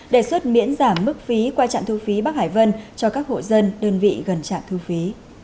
đề xuất miễn giảm mức phí qua trạm thu phí bắc hải vân cho các hộ dân đơn vị gần trạm thu phí